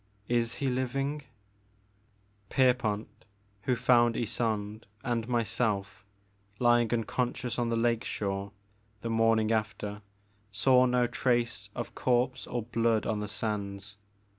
Is he living ? Pierpont, who found Ysonde and myself lying unconscious on the lake shore, the morning after, saw no trace of corpse or blood on the sands.